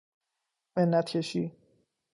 منت کشی